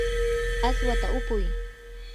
aswata upuy.